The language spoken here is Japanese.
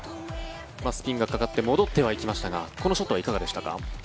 スピンがかかって戻ってはいきましたがこのショットはいかがでしたか？